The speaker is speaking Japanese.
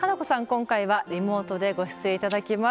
今回はリモートでご出演頂きます。